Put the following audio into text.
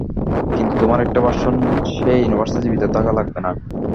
কিন্তু তোমার একটা ভার্সন সে ইউনিভার্সে জীবিত থাকা লাগবে না?